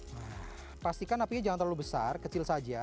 nah pastikan apinya jangan terlalu besar kecil saja